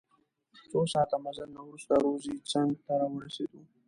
څه ساعت مزل نه وروسته روضې څنګ ته راورسیدو.